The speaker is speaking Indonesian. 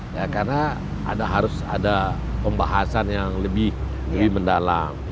ya karena harus ada pembahasan yang lebih mendalam